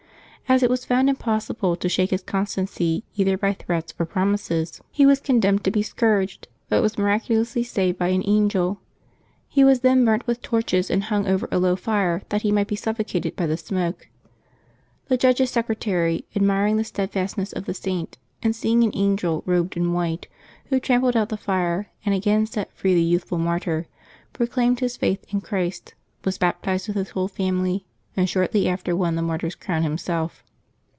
As it was found impossible to shake his constancy either by threats or promises, he was 184 LIYB8 OF TEE SAINTS [May 18 condemned to be scourged, but was miraculously saved by an angel. He was then burnt with torches and hung over a low fire that he might be suffocated by the smoke. The judge's secretary, admiring the steadfastness of the Saint, and seeing an angel robed in white, who trampled out the fire and again set free the youthful martyr, proclaimed his faith in Christ, was baptized with his whole family, and shortly after won the martyr's crown himself.